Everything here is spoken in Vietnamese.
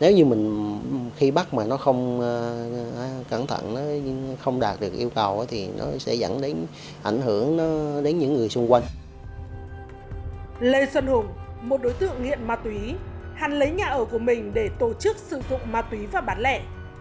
lê xuân hùng một đối tượng nghiện ma túy hắn lấy nhà ở của mình để tổ chức sử dụng ma túy và bán lẻ